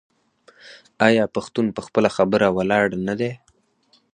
آیا پښتون په خپله خبره ولاړ نه دی؟